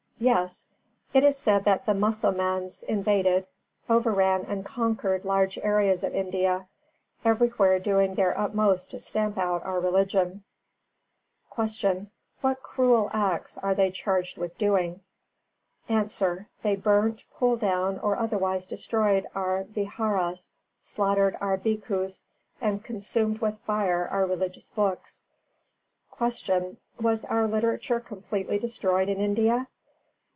Yes. It is said that the Mussalmāns invaded, overran and conquered large areas of India; everywhere doing their utmost to stamp out our religion. 315. Q. What cruel acts are they charged with doing? A. They burnt, pulled down or otherwise destroyed our vihāras, slaughtered our Bhikkhus, and consumed with fire our religious books. 316. Q. _Was our literature completely destroyed in India?